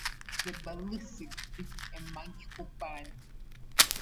The Balasik is a magical bird.